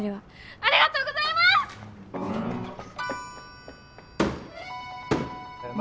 ありがとうございます！せの。